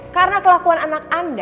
karena kelakuan anak anda